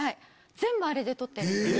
全部あれで撮ってる。